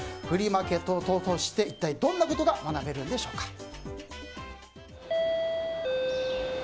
フリーマーケットを通して一体どんなことが学べるんでしょうか。